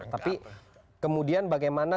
tapi kemudian bagaimana